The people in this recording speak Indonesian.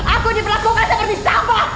aku diperlakukan seperti sama